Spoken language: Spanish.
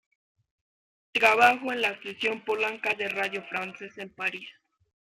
Trabajó en la sección polaca de Radio France en París.